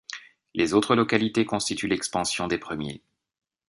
Les autres localités constituent l'expansion des premiers.